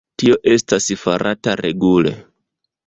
Tio estas farata regule.